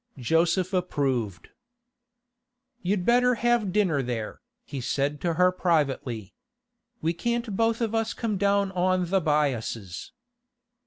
Joseph approved. 'You'd better have dinner there,' he said to her privately. 'We can't both of us come down on the Byasses.